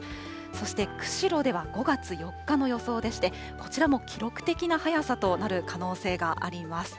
そして釧路では５月４日の予想でして、こちらも記録的な早さとなる可能性があります。